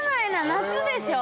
夏でしょ？